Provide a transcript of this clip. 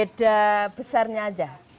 beda besarnya aja